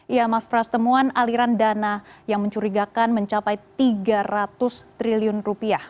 iya mas pras temuan aliran dana yang mencurigakan mencapai tiga ratus triliun rupiah